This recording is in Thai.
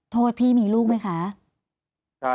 โทษพี่มีลูกไหมคะ